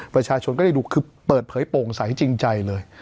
ประชาชนก็ได้ดูคือเปิดเผยโปร่งใสจริงใจเลย